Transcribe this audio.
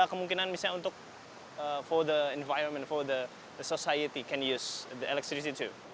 ada kemungkinan untuk masyarakat masyarakat bisa menggunakan elektrik juga